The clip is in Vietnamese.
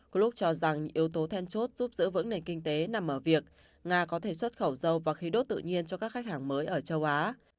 group cho rằng yếu tố then chốt giúp giữ vững nền kinh tế nằm ở việc nga có thể xuất khẩu dầu và khí đốt tự nhiên cho các khách hàng mới ở châu á